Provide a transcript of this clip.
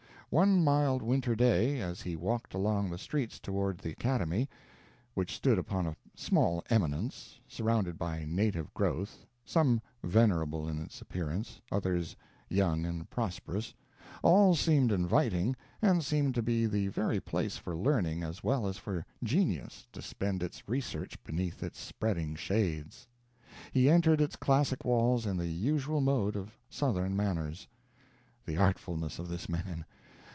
One mild winter day, as he walked along the streets toward the Academy, which stood upon a small eminence, surrounded by native growth some venerable in its appearance, others young and prosperous all seemed inviting, and seemed to be the very place for learning as well as for genius to spend its research beneath its spreading shades. He entered its classic walls in the usual mode of southern manners. The artfulness of this man!